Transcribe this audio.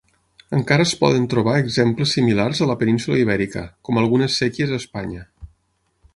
Encara es poden trobar exemples similars a la península Ibèrica, com algunes séquies a Espanya.